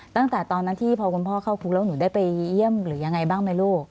ตั้งแต่ตอนนั้นที่พอคุณพ่อเข้าคุกแล้วหนูได้ไปเยี่ยมหรือยังไงบ้างไหมลูก